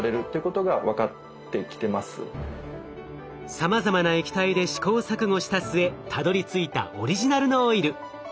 さまざまな液体で試行錯誤した末たどりついたオリジナルのオイル。